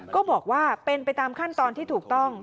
ก็บอกว่าเป็นไปตามขั้นตอนที่ถูกต้อง